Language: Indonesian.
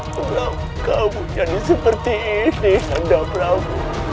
aku berangkab menjadi seperti ini tanda brahm